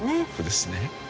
ですね。